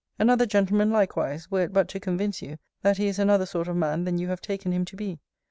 Another gentleman likewise, were it but to convince you, that he is another sort of man than you have taken him to be.